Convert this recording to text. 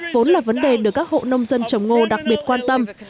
vốn là vấn đề được các hộ nông dân trồng ngô đặc biệt quan tâm